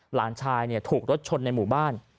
หลานชายถูกรถชนในหมู่บ้าน